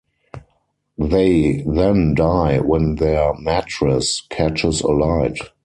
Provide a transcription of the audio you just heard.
They then die when their mattress catches alight.